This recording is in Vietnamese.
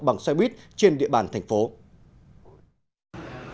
bằng xe buýt trên địa bàn tp hcm